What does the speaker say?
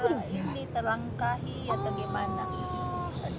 ini terangkahi atau gimana